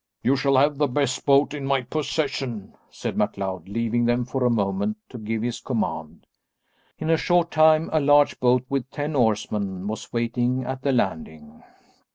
"You shall have the best boat in my possession," said MacLeod leaving them for a moment to give his command. In a short time a large boat with ten oarsmen was waiting at the landing.